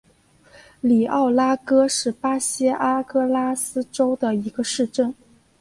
里奥拉戈是巴西阿拉戈斯州的一个市镇。